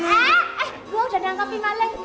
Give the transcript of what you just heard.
eh gue udah dianggapi kaleng